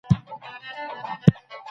د دغي نامې ریښه چېري ده؟